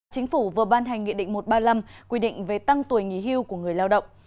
chính phủ vừa ban hành nghị định một trăm ba mươi năm quy định về tăng tuổi nghỉ hưu của người lao động